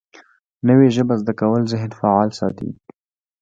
نوې ژبه زده کول ذهن فعال ساتي